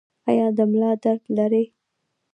ایا د ملا درد لرئ؟